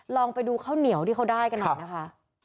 ลองไปดูข้าวเหนียวที่เขาได้กันหน่อยนะคะ